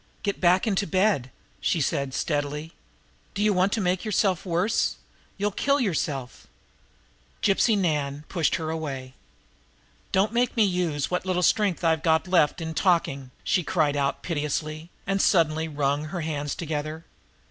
"Get back into bed," she said steadily. "Do you want to make yourself worse? You'll kill yourself!" Gypsy Nan pushed her away. "Don't make me use up what little strength I've got left in talking," she cried out piteously, and suddenly wrung her hands together.